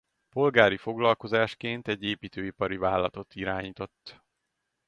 Polgári foglalkozásként egy építőipari vállalatot irányított.